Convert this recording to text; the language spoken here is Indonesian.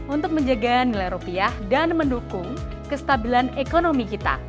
untuk menjaga nilai rupiah dan mendukung kestabilan ekonomi kita